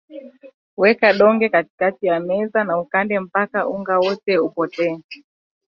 Weka donge katikati ya meza na ukande mpaka unga wote upotee